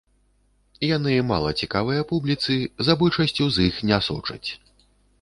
Яны мала цікавыя публіцы, за большасцю з іх не сочаць.